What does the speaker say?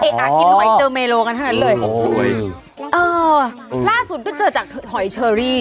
อ่ะกินหอยเจอเมโลกันเท่านั้นเลยโอ้โหเออล่าสุดก็เจอจากหอยเชอรี่